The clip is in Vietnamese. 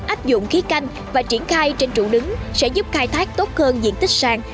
áp dụng khí canh và triển khai trên trụ đứng sẽ giúp khai thác tốt hơn diện tích sàn